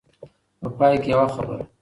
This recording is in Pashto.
په پای کې يوه خبره.